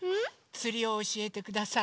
つりをおしえてください。